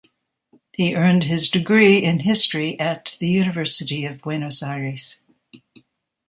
He earned his degree in history at the University of Buenos Aires.